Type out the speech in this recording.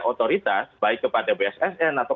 otoritas baik kepada bssn atau